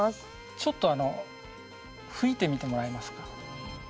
ちょっと吹いてみてもらえますか？